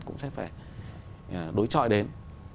cũng sẽ phải đối chọi đến